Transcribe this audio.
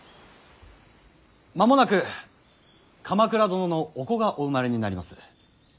間もなく鎌倉殿のお子がお生まれになります。